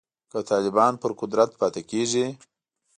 که طالبان په قدرت پاتې کیږي